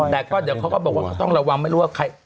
แต่เขาก็บอกว่าเราต้องระวังไม่รู้ว่าใคร